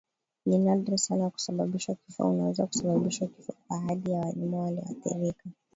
Ni nadra sana kusababisha kifo Unaweza kusababisha kifo kwa hadi ya wanyama walioathirika